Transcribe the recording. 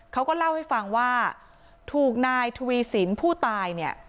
เขาก็เล่าให้ฟังว่าถูกนายทวีสินผู้ตายเนี่ย